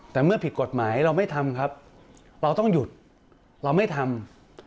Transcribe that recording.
แต่เมื่อผิดกฎหมายเราไม่ทำครับเราต้องหยุดเราไม่ทำ